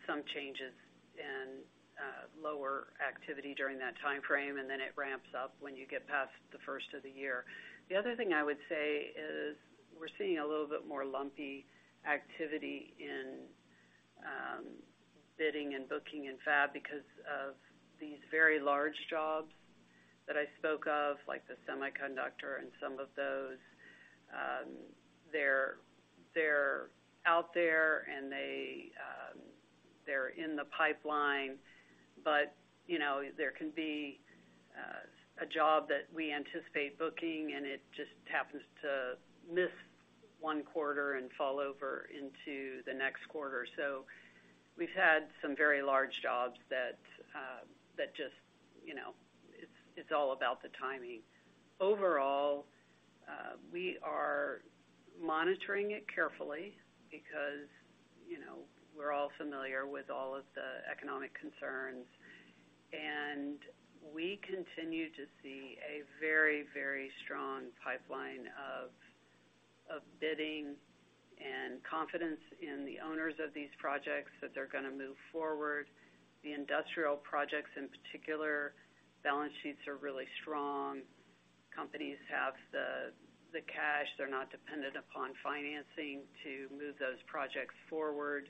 some changes and lower activity during that timeframe, and then it ramps up when you get past the first of the year. The other thing I would say is we're seeing a little bit more lumpy activity in bidding and booking in fab because of these very large jobs that I spoke of, like the semiconductor and some of those. They're out there and they're in the pipeline, but, you know, there can be a job that we anticipate booking and it just happens to miss one quarter and fall over into the next quarter. We've had some very large jobs that just, you know. It's all about the timing. Overall, we are monitoring it carefully because, you know, we're all familiar with all of the economic concerns, and we continue to see a very strong pipeline of bidding and confidence in the owners of these projects that they're gonna move forward. The industrial projects in particular, balance sheets are really strong. Companies have the cash. They're not dependent upon financing to move those projects forward.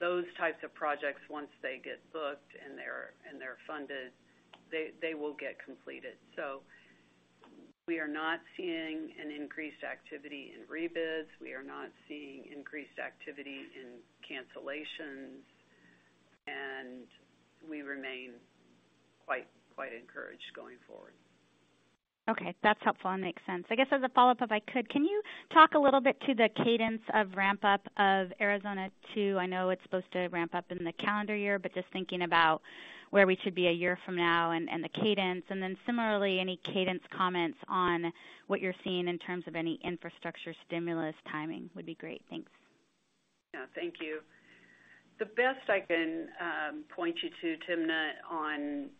Those types of projects, once they get booked and they're funded, they will get completed. We are not seeing an increased activity in rebids. We are not seeing increased activity in cancellations, and we remain quite encouraged going forward. Okay. That's helpful and makes sense. I guess as a follow-up, if I could, can you talk a little bit to the cadence of ramp-up of Arizona 2? I know it's supposed to ramp up in the calendar year, but just thinking about where we should be a year from now and the cadence. Similarly, any cadence comments on what you're seeing in terms of any infrastructure stimulus timing would be great. Thanks. Yeah. Thank you. The best I can point you to, Timna, on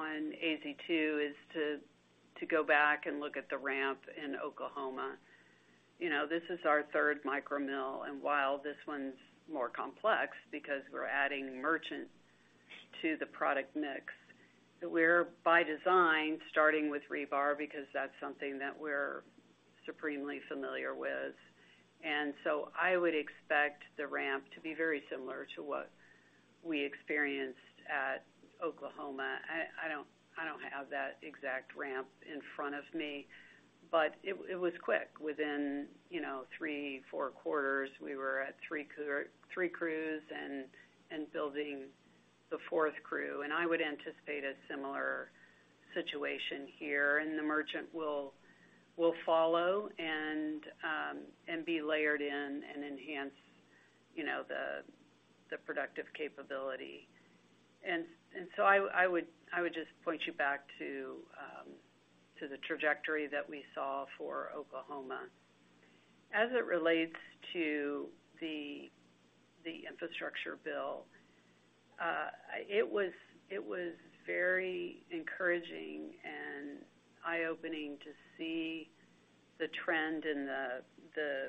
AZ2 is to go back and look at the ramp in Oklahoma. You know, this is our third micro mill, while this one's more complex because we're adding merchant to the product mix. We're by design starting with rebar because that's something that we're supremely familiar with. I would expect the ramp to be very similar to what we experienced at Oklahoma. I don't, I don't have that exact ramp in front of me, but it was quick. Within, you know, three, four quarters, we were at three crews and building the fourth crew. I would anticipate a similar situation here. The merchant will follow and be layered in and enhance, you know, the productive capability. I would, I would just point you back to the trajectory that we saw for Oklahoma. As it relates to the Infrastructure Bill, it was very encouraging and eye-opening to see the trend in the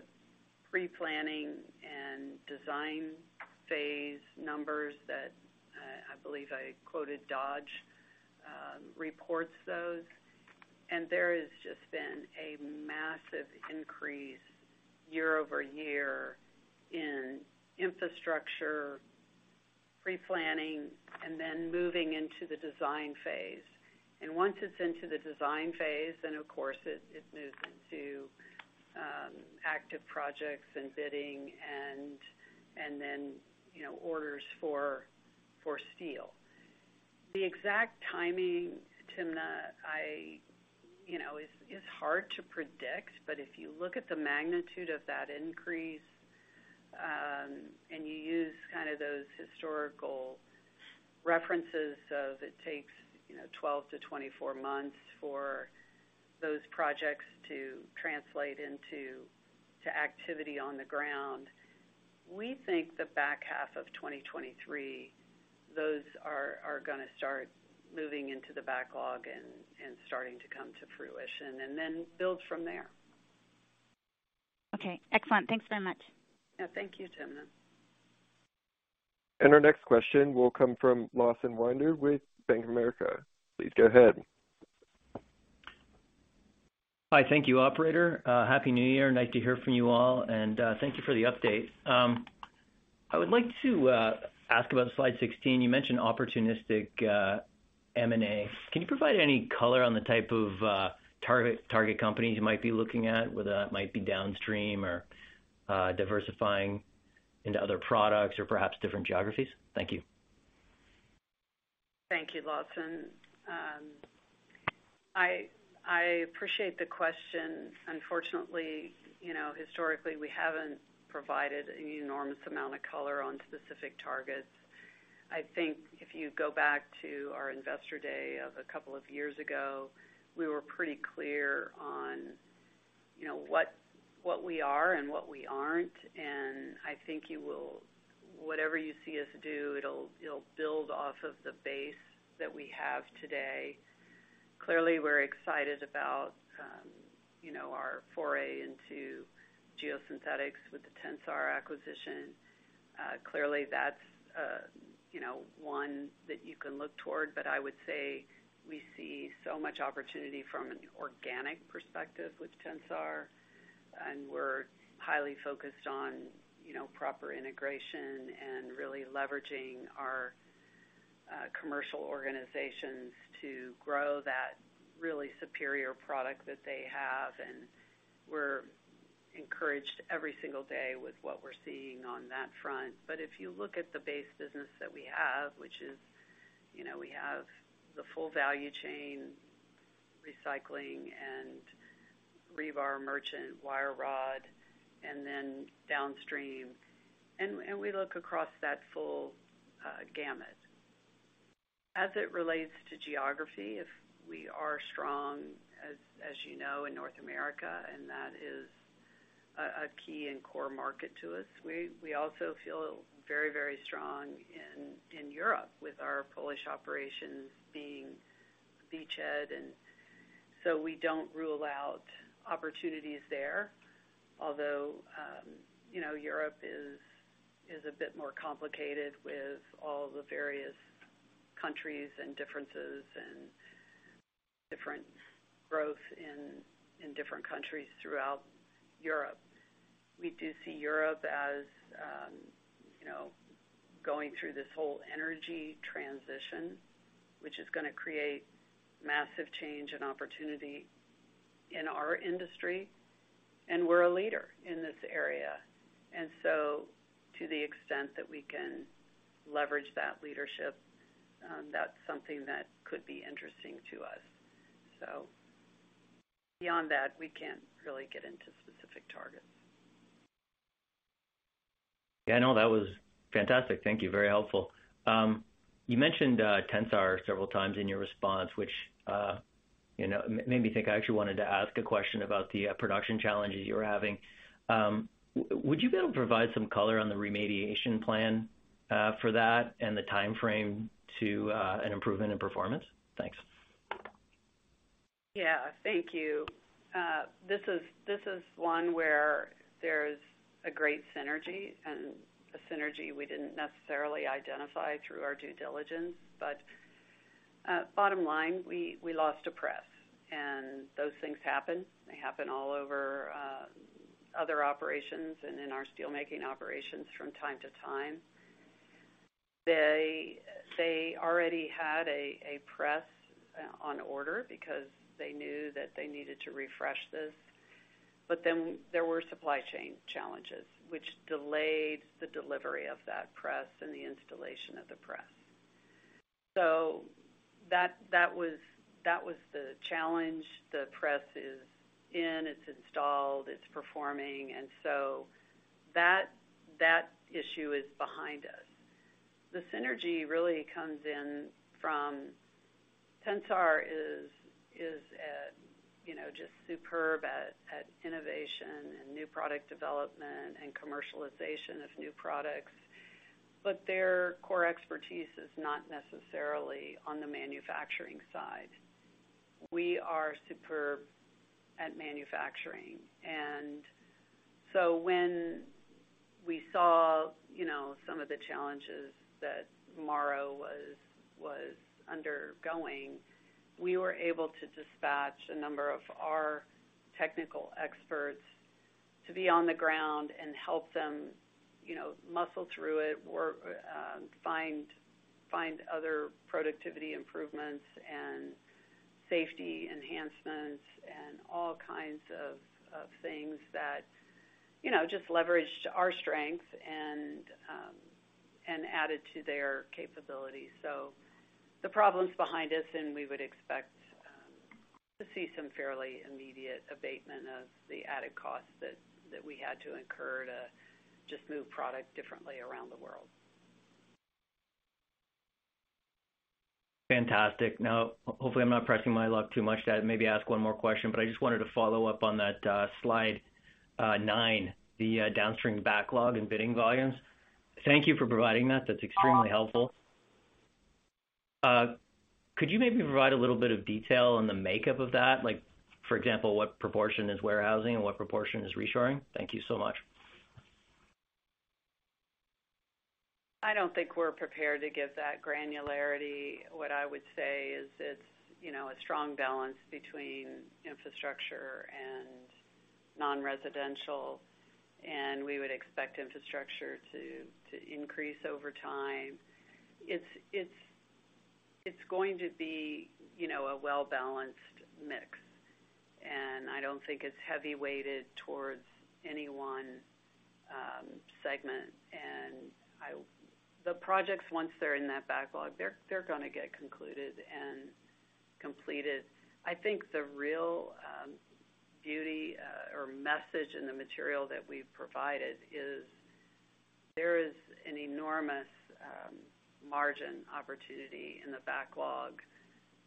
pre-planning and design phase numbers that I believe I quoted Dodge reports those. There has just been a massive increase year-over-year in infrastructure pre-planning and then moving into the design phase. Once it's into the design phase, then of course it moves into active projects and bidding and then, you know, orders for steel. The exact timing, Timna, I. You know, is hard to predict. If you look at the magnitude of that increase, and you use kind of those historical references of it takes, you know, 12-24 months for those projects to translate into activity on the ground, we think the back half of 2023, those are gonna start moving into the backlog and starting to come to fruition and then build from there. Okay, excellent. Thanks very much. Yeah. Thank you, Timna. Our next question will come from Lawson Winder with Bank of America. Please go ahead. Hi. Thank you, operator. Happy New Year. Nice to hear from you all, and thank you for the update. I would like to ask about slide 16. You mentioned opportunistic M&A. Can you provide any color on the type of target companies you might be looking at, whether that might be downstream or diversifying into other products or perhaps different geographies? Thank you. Thank you, Lawson. I appreciate the question. Unfortunately, you know, historically, we haven't provided an enormous amount of color on specific targets. I think if you go back to our investor day of a couple of years ago, we were pretty clear on, you know, what we are and what we aren't. I think whatever you see us do, it'll build off of the base that we have today. Clearly, we're excited about, you know, our foray into geosynthetics with the Tensar acquisition. Clearly, that's, you know, one that you can look toward. I would say we see so much opportunity from an organic perspective with Tensar, and we're highly focused on, you know, proper integration and really leveraging our commercial organizations to grow that really superior product that they have. We're encouraged every single day with what we're seeing on that front. If you look at the base business that we have, which is, you know, we have the full value chain, recycling and rebar merchant, wire rod, and then downstream, and we look across that full gamut. As it relates to geography, if we are strong, as you know, in North America, and that is a key and core market to us. We also feel very, very strong in Europe with our Polish operations being beached. We don't rule out opportunities there. Although, you know, Europe is a bit more complicated with all the various countries and differences and different growth in different countries throughout Europe. We do see Europe as, you know, going through this whole energy transition, which is gonna create massive change and opportunity in our industry, and we're a leader in this area. To the extent that we can leverage that leadership, that's something that could be interesting to us. Beyond that, we can't really get into specific targets. Yeah, no, that was fantastic. Thank you. Very helpful. You mentioned Tensar several times in your response, which, you know, made me think I actually wanted to ask a question about the production challenges you were having. Would you be able to provide some color on the remediation plan for that and the timeframe to an improvement in performance? Thanks. Yeah. Thank you. This is one where there's a great synergy and a synergy we didn't necessarily identify through our due diligence. Bottom line, we lost a press, and those things happen. They happen all over other operations and in our steel making operations from time to time. They already had a press on order because they knew that they needed to refresh this. There were supply chain challenges which delayed the delivery of that press and the installation of the press. That was the challenge. The press is in, it's installed, it's performing, that issue is behind us. The synergy really comes in from Tensar is, you know, just superb at innovation and new product development and commercialization of new products. Their core expertise is not necessarily on the manufacturing side. We are superb at manufacturing. When we saw, you know, some of the challenges that Morrow was undergoing, we were able to dispatch a number of our technical experts to be on the ground and help them, you know, muscle through it, work, find other productivity improvements and safety enhancements and all kinds of things that, you know, just leveraged our strength and added to their capabilities. The problem's behind us, and we would expect to see some fairly immediate abatement of the added cost that we had to incur to just move product differently around the world. Fantastic. Now, hopefully, I'm not pressing my luck too much to maybe ask one more question, but I just wanted to follow up on that, slide 9, the downstream backlog and bidding volumes. Thank you for providing that. That's extremely helpful. Could you maybe provide a little bit of detail on the makeup of that? Like, for example, what proportion is warehousing and what proportion is reshoring? Thank you so much. I don't think we're prepared to give that granularity. What I would say is it's, you know, a strong balance between infrastructure and non-residential, and we would expect infrastructure to increase over time. It's going to be, you know, a well-balanced mix, and I don't think it's heavy weighted towards any one segment. The projects, once they're in that backlog, they're gonna get concluded and completed. I think the real beauty or message in the material that we've provided is there is an enormous margin opportunity in the backlog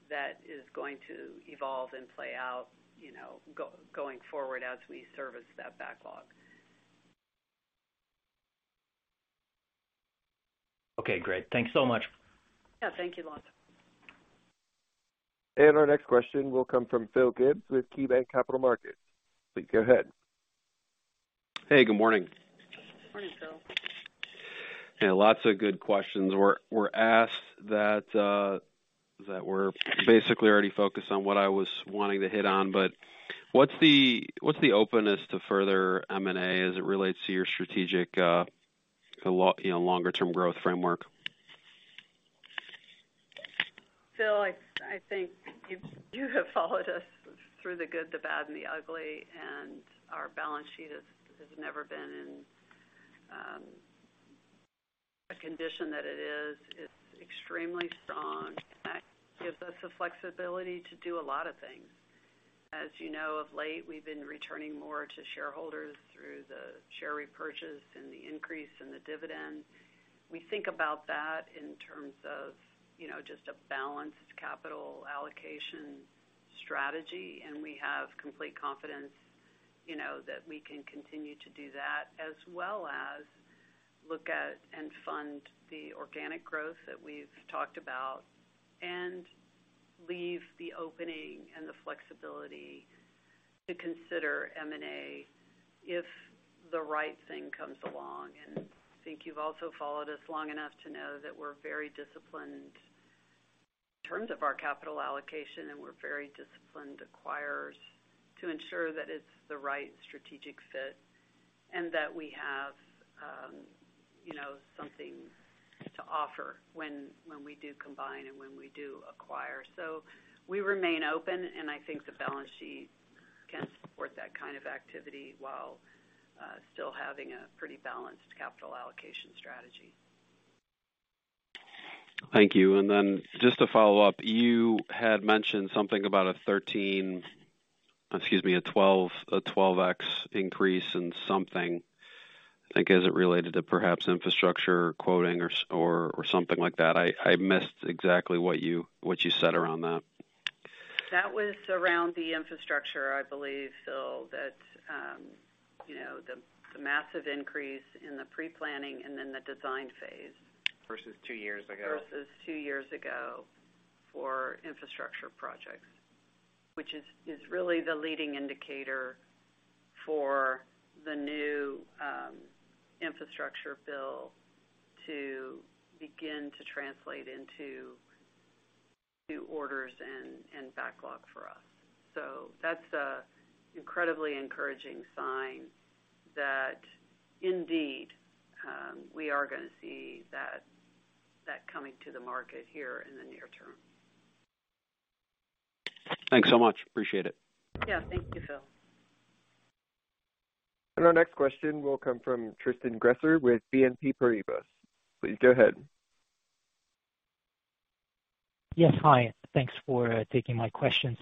that is going to evolve and play out, you know, going forward as we service that backlog. Okay, great. Thank you so much. Yeah. Thank you, Lon. Our next question will come from Philip Gibbs with KeyBanc Capital Markets. Please go ahead. Hey, good morning. Morning, Phil. Yeah, lots of good questions were asked that were basically already focused on what I was wanting to hit on. What's the openness to further M&A as it relates to your strategic, you know, longer term growth framework? Phil, I think you have followed us through the good, the bad, and the ugly, and our balance sheet has never been in a condition that it is. It's extremely strong, and that gives us the flexibility to do a lot of things. As you know, of late, we've been returning more to shareholders through the share repurchase and the increase in the dividend. We think about that in terms of, you know, just a balanced capital allocation strategy, and we have complete confidence, you know, that we can continue to do that, as well as look at and fund the organic growth that we've talked about and leave the opening and the flexibility to consider M&A if the right thing comes along. I think you've also followed us long enough to know that we're very disciplined in terms of our capital allocation, and we're very disciplined acquirers to ensure that it's the right strategic fit and that we have, you know, something to offer when we do combine and when we do acquire. We remain open, and I think the balance sheet can support that kind of activity while still having a pretty balanced capital allocation strategy. Thank you. Just to follow up, you had mentioned something about excuse me, a 12x increase in something, I think, is it related to perhaps infrastructure quoting or or something like that? I missed exactly what you said around that. That was around the infrastructure, I believe, Phil, that, you know, the massive increase in the pre-planning and then the design phase. Versus two years ago. Versus two years ago for infrastructure projects, which is really the leading indicator for the new infrastructure bill to begin to translate into new orders and backlog for us. That's a incredibly encouraging sign that indeed, we are gonna see that coming to the market here in the near term. Thanks so much. Appreciate it. Yeah, thank you, Phil. Our next question will come from Tristan Gresser with BNP Paribas. Please go ahead. Yes. Hi. Thanks for taking my questions.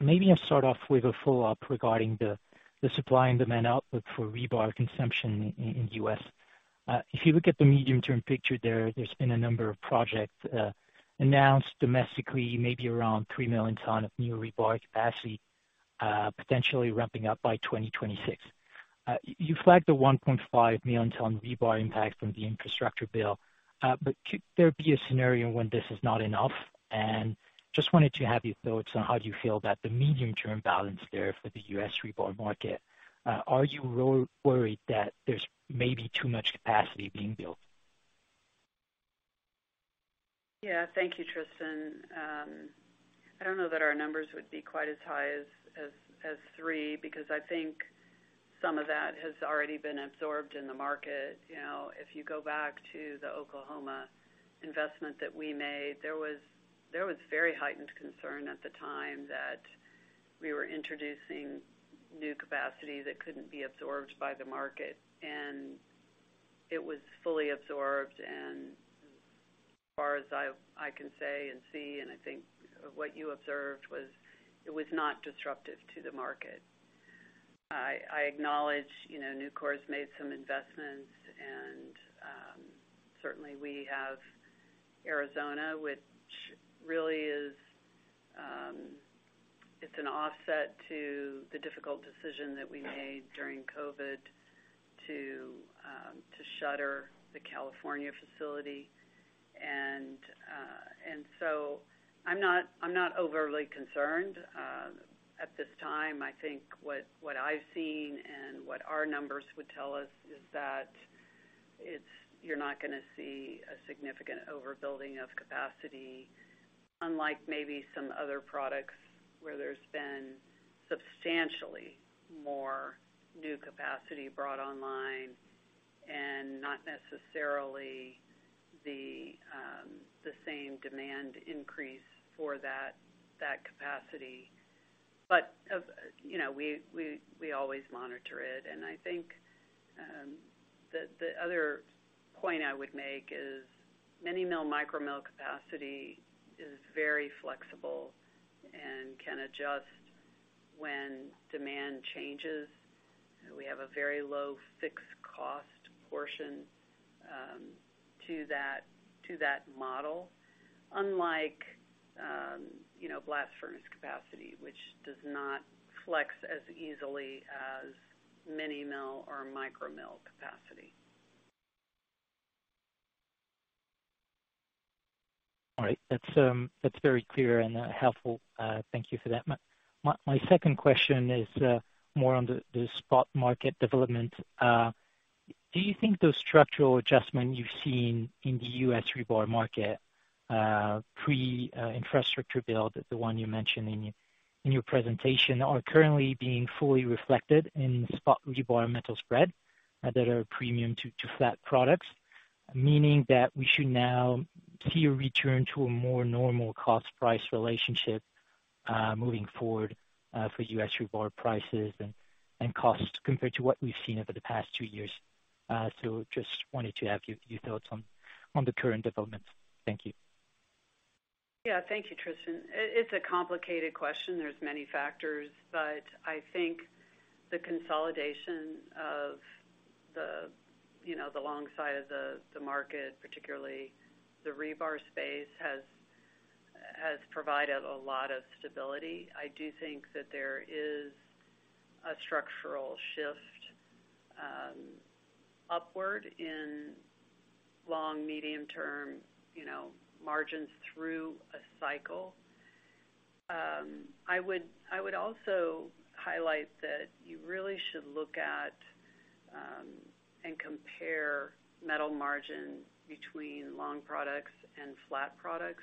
Maybe I'll start off with a follow-up regarding the supply and demand output for rebar consumption in U.S. If you look at the medium-term picture there's been a number of projects announced domestically, maybe around 3 million tons of new rebar capacity potentially ramping up by 2026. You flagged the 1.5 million tons rebar impact from the infrastructure bill. Could there be a scenario when this is not enough? Just wanted to have your thoughts on how you feel that the medium-term balance there for the U.S. rebar market. Are you worried that there's maybe too much capacity being built? Yeah. Thank you, Tristan. I don't know that our numbers would be quite as high as three, because I think some of that has already been absorbed in the market. You know, if you go back to the Oklahoma investment that we made, there was very heightened concern at the time that we were introducing new capacity that couldn't be absorbed by the market, and it was fully absorbed. As far as I can say and see, and I think what you observed was, it was not disruptive to the market. I acknowledge, you know, Nucor's made some investments, and certainly we have Arizona, which really is, it's an offset to the difficult decision that we made during COVID to shutter the California facility. I'm not overly concerned at this time. I think what I've seen and what our numbers would tell us is that you're not gonna see a significant overbuilding of capacity, unlike maybe some other products, where there's been substantially more new capacity brought online and not necessarily the same demand increase for that capacity. you know, we always monitor it. I think the other point I would make is mini mill, micro mill capacity is very flexible and can adjust when demand changes. We have a very low fixed cost portion to that model. Unlike, you know, blast furnace capacity, which does not flex as easily as mini mill or micro mill capacity. All right. That's very clear and helpful. Thank you for that. My second question is more on the spot market development. Do you think those structural adjustments you've seen in the U.S. rebar market, pre-infrastructure build, the one you mentioned in your presentation, are currently being fully reflected in spot rebar metal spread that are premium to flat products? Meaning that we should now see a return to a more normal cost-price relationship, moving forward, for U.S. rebar prices and costs compared to what we've seen over the past two years. Just wanted to have your thoughts on the current developments. Thank you. Yeah. Thank you, Tristan. It's a complicated question. There're many factors, but I think the consolidation of the, you know, the long side of the market, particularly the rebar space, has provided a lot of stability. I do think that there is a structural shift upward in long, medium term, you know, margins through a cycle. I would also highlight that you really should look at and compare metal margin between long products and flat products.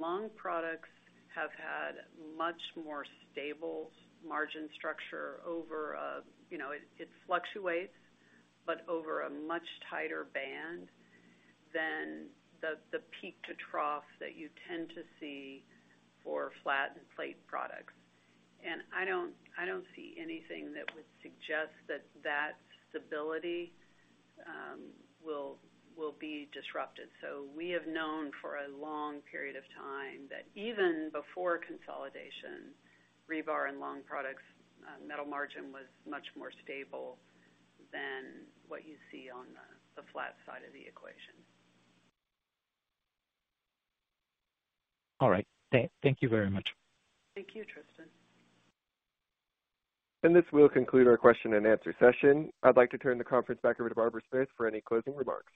Long products have had much more stable margin structure over a, you know, it fluctuates, but over a much tighter band than the peak to trough that you tend to see for flat and plate products. I don't see anything that would suggest that stability will be disrupted. We have known for a long period of time that even before consolidation, rebar and long products, metal margin was much more stable than what you see on the flat side of the equation. All right. Thank you very much. Thank you, Tristan. This will conclude our question-and-answer session. I'd like to turn the conference back over to Barbara Smith for any closing remarks.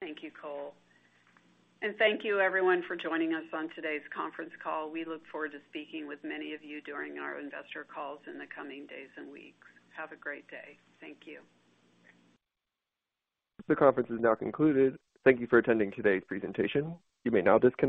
Thank you, Cole. Thank you everyone for joining us on today's conference call. We look forward to speaking with many of you during our investor calls in the coming days and weeks. Have a great day. Thank you. The conference is now concluded. Thank you for attending today's presentation. You may now disconnect.